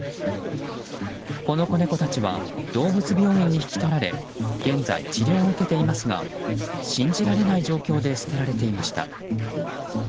この子猫たちは動物病院に引き取られ現在、治療を受けていますが信じられない状況で捨てられていました。